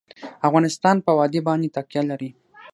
افغانستان په وادي باندې تکیه لري.